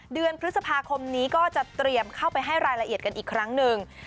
เดือนพฤษภาคมนี้ก็จะเตรียมเข้าไปให้รายละเอียดกันอีกครั้งหนึ่ง